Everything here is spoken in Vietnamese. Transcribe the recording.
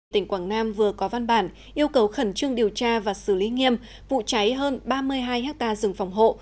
tỉnh quảng nam vừa có văn bản yêu cầu khẩn trương điều tra và xử lý nghiêm vụ cháy hơn ba mươi hai ha rừng phòng hộ